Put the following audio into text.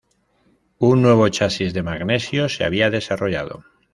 Un nuevo chasis de magnesio se había desarrollado.